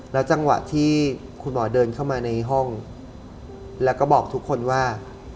จังหวะที่คุณหมอเดินเข้ามาในห้องแล้วก็บอกทุกคนว่า